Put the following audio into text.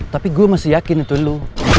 tapi gue masih yakin itu lu